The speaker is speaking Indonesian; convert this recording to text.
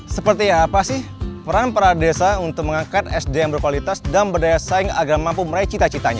seperti apa sih peran para desa untuk mengangkat sd yang berkualitas dan berdaya saing agar mampu meraih cita citanya